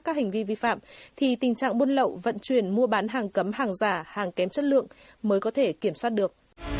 các hành vi vi phạm thì tình trạng buôn lậu vận chuyển mua bán hàng cấm hàng giả hàng kém chất lượng mới có thể kiểm soát được